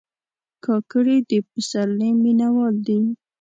کاکړي د پسرلي مینهوال دي.